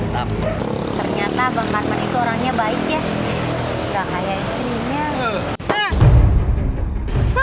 ternyata bang karman itu orangnya baik ya